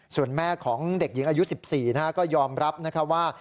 ส่วนแม่ของเด็กหญิงอายุ๑๔ก็ยอมรับนะคะว่า